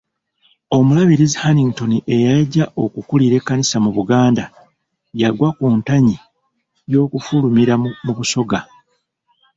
Omulabirizi Hannington eyali ajja okukulira Ekkanisa mu Buganda, yagwa ku ntanyi y'okufulumira mu Busoga.